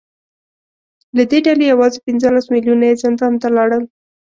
له دې ډلې یوازې پنځلس میلیونه یې زندان ته لاړل